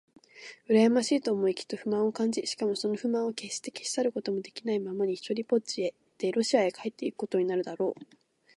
うらやましいと思い、きっと不満を感じ、しかもその不満をけっして消し去ることもできないままに、ひとりぽっちでロシアへ帰っていくことになるだろう。